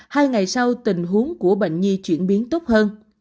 hai ngày sau tình huống của bệnh nhi chuyển biến tốt hơn